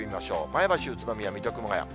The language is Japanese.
前橋、宇都宮、水戸、熊谷。